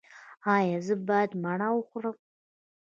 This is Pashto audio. ایا زه باید مڼه وخورم؟